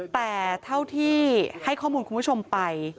แต่เท่าที่ให้ข้อมูลคุณผู้ชมไป